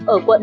ở quận lòng